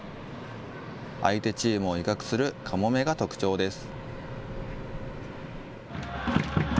相手チームを威嚇するカモメが特徴です。